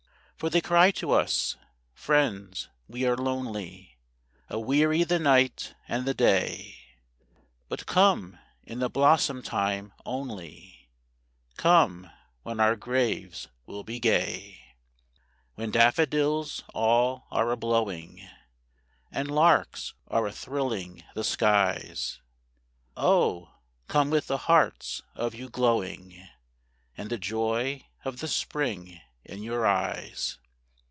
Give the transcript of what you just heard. For they cry to us: 'Friends, we are lonely, A weary the night and the day; But come in the blossom time only, Come when our graves will be gay: When daffodils all are a blowing, And larks are a thrilling the skies, Oh, come with the hearts of you glowing, And the joy of the Spring in your eyes.